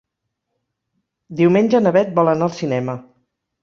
Diumenge na Bet vol anar al cinema.